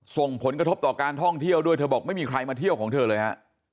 ส่งผลกระทบต่อการท่องเที่ยวด้วยเธอบอกไม่มีใครมาเที่ยวของเธอเลยฮะ